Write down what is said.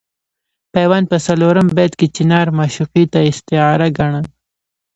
پیوند په څلورم بیت کې چنار معشوقې ته استعاره ګاڼه.